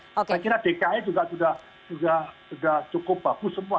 saya kira dki juga sudah cukup bagus semua